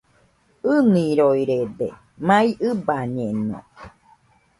ɨniroirede, mai ɨbañeno